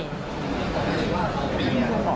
ไม่รู้สึก